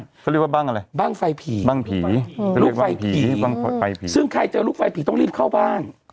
เขาเรียกว่าบ้างอะไรบ้างไฟผีลูกไฟผีซึ่งใครเจอลูกไฟผีต้องรีบเข้าบ้าน